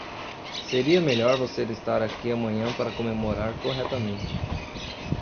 Seria melhor você estar aqui amanhã para comemorar corretamente.